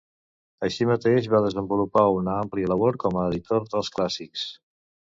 Així mateix, va desenvolupar una àmplia labor com a editor dels clàssics.